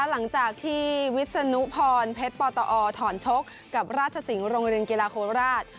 หลังจากที่วิศนุพรเพชรปตอถอนชกกับราชสิงห์โรงเรียนกีฬาโคราช